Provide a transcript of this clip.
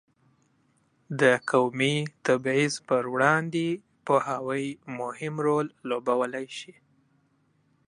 د قومي تبعیض پر وړاندې پوهاوی مهم رول لوبولی شي.